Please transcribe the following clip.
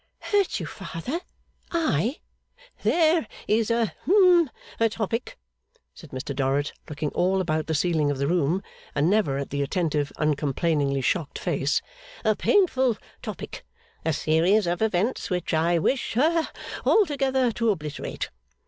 'Hurt you, father! I!' 'There is a hum a topic,' said Mr Dorrit, looking all about the ceiling of the room, and never at the attentive, uncomplainingly shocked face, 'a painful topic, a series of events which I wish ha altogether to obliterate.